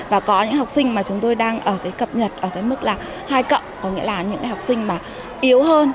và có những học sinh mà chúng tôi đang cập nhật ở mức hai cộng có nghĩa là những học sinh yếu hơn